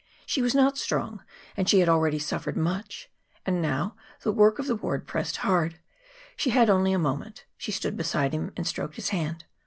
She was not strong, and she had already suffered much. And now the work of the ward pressed hard. She had only a moment. She stood beside him and stroked his hand.